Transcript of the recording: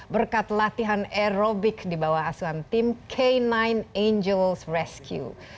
berkat latihan aerobik di bawah asuhan tim k sembilan angels rescue